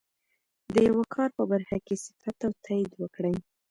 د یوه کار په برخه کې صفت او تایید وکړي.